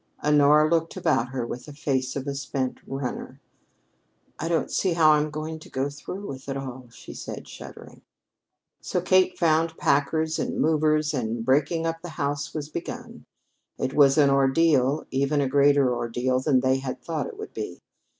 Honora looked about her with the face of a spent runner. "I don't see how I'm going to go through with it all," she said, shuddering. So Kate found packers and movers and the breaking up of the home was begun. It was an ordeal even a greater ordeal than they had thought it would be.